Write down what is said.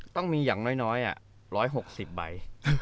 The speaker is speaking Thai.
ต้องมีอย่างน้อย๑๖๐ใบ